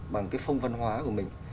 bằng cái phông văn hóa của mình